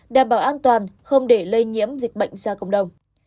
đảm bảo an toàn không để lây nhiễm dịch bệnh ra cộng đồng